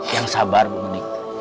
yang sabar bapak menik